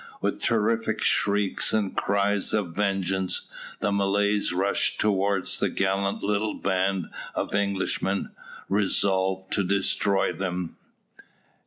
With terrific shrieks and cries of vengeance, the Malays rushed towards the gallant little band of Englishmen, resolved to destroy them.